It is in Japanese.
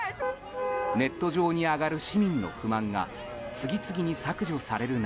ネット上に上がる市民の不満が次々に削除される